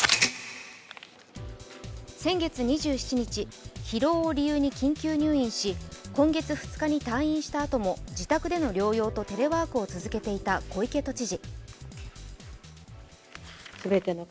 先月２７日、疲労を理由に緊急入院し、今月２日に退院したあとも自宅での療養とテレワークを続けていた小池都知事。